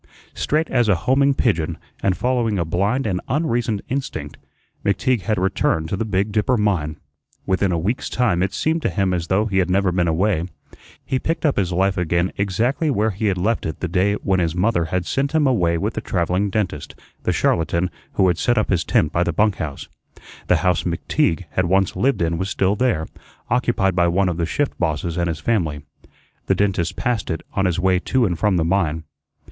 Straight as a homing pigeon, and following a blind and unreasoned instinct, McTeague had returned to the Big Dipper mine. Within a week's time it seemed to him as though he had never been away. He picked up his life again exactly where he had left it the day when his mother had sent him away with the travelling dentist, the charlatan who had set up his tent by the bunk house. The house McTeague had once lived in was still there, occupied by one of the shift bosses and his family. The dentist passed it on his way to and from the mine.